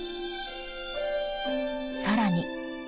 更に。